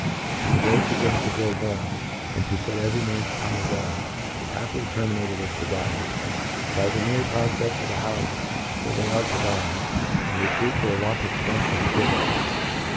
.The debate beginning to grow warm, and td fet every man's tongue a going, is happily terminated and forgotten, by the neat prbfpefl: of the houfe where they arc to dine, and recruit their wafted ftrength and fpirits.